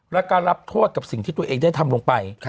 แล้วก็รับโทษกับสิ่งที่ตัวเองได้ทำลงไป